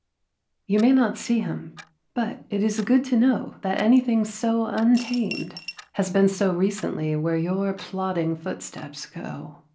You may not see him, but it is good to know that anything so untamed has been so recently where your plodding footsteps go.